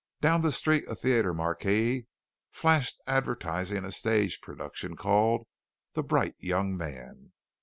Down the street a theatre marquee flashed, advertising a stage production called 'The Bright Young Man!'